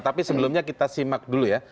tapi sebelumnya kita simak dulu ya